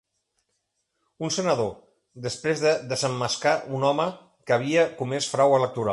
Un senador, després de desemmascar un home que havia comès frau electoral.